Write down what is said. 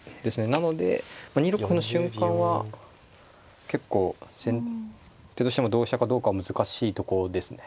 なので２六歩の瞬間は結構先手としても同飛車かどうか難しいとこですね。